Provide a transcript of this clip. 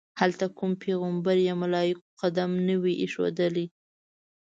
هلته کوم پیغمبر یا ملایکو قدم نه وي ایښودلی.